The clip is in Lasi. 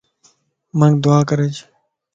مانک دعا ڪريج